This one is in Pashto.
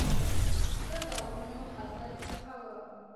زه د غرونو ختل خوښوم.